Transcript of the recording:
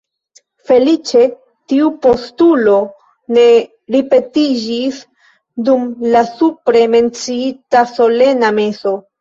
Feliĉe tiu postulo ne ripetiĝis dum la supre menciita solena meso.